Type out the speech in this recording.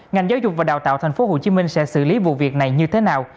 ngành giáo dục và đào tạo tp hcm sẽ xử lý vụ việc này như thế nào